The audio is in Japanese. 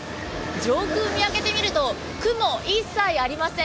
上空を見上げてみると、雲、一切ありません。